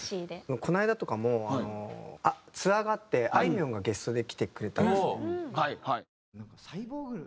この間とかもツアーがあってあいみょんがゲストで来てくれたんですね。